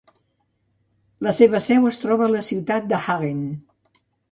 La seva seu es troba a la ciutat de Hagen.